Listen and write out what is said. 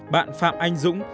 bạn phạm anh dũng